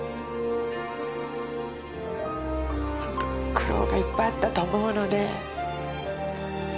苦労がいっぱいあったと思うので。